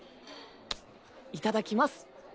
いただきます。